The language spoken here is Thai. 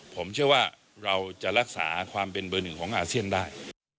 ผมเชื่อว่าเราจะรักษาความเป็นเบอร์หนึ่งของอาเซียนได้